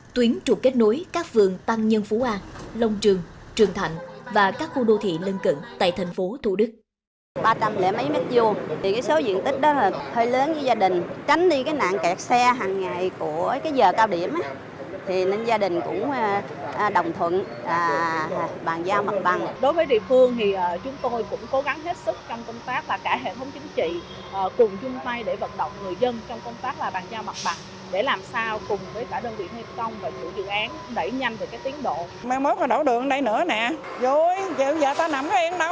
tuyến trụ kết nối các vườn tăng nhân phú a long trường trường thạnh và các khu đô thị lân cận tại tp hcm